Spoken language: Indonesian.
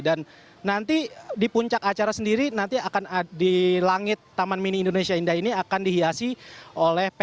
dan nanti di puncak acara sendiri nanti akan di langit taman mini indonesia indah ini akan dihiasi oleh peserta